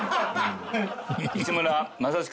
市村正親